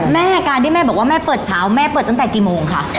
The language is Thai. แม่การที่แม่บอกว่าแม่เปิดเช้าแม่เปิดตั้งแต่กี่โมงคะ